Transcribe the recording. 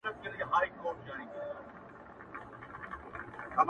داسي وخت هم راسي’ چي ناست به يې بې آب وخت ته’